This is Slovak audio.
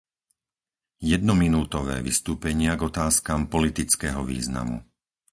Jednominútové vystúpenia k otázkam politického významu